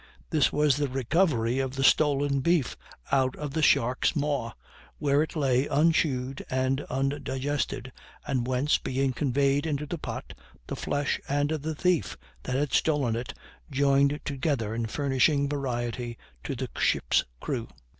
This was the recovery of the stolen beef out of the shark's maw, where it lay unchewed and undigested, and whence, being conveyed into the pot, the flesh, and the thief that had stolen it, joined together in furnishing variety to the ship's crew.